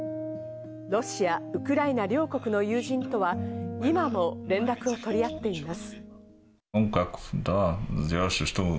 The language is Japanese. ロシア・ウクライナ両国の友人とは今も連絡を取り合っています。